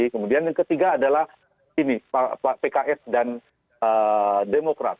kemudian yang ketiga adalah ini pak pks dan demokrat